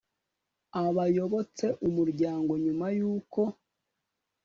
Abayobotse umuryango nyuma y uko